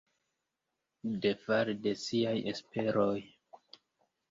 Defali de siaj esperoj.